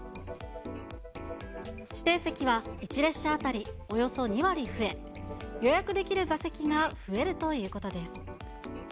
指定席は１列車当たりおよそ２割増え、予約できる座席が増えるということです。